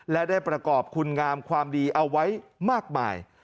และได้ประกอบคุณงามความดีเอาไว้มากมาย